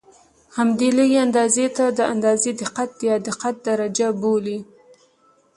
همدې لږې اندازې ته د اندازې دقت یا دقت درجه بولي.